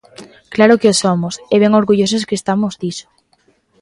¡Claro que o somos, e ben orgullosos que estamos diso!